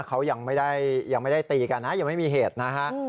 เขายังไม่ได้ตีกันนะยังไม่มีเหตุนะครับ